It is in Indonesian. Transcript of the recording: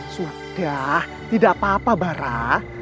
sudah tidak apa apa barah